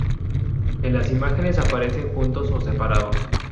En las imágenes aparecen juntos o separados.